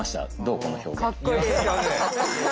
かっこいいですよ。